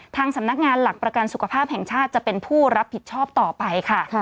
ทางสำนักงานหลักประกันสุขภาพแห่งชาติจะเป็นผู้รับผิดชอบต่อไปค่ะ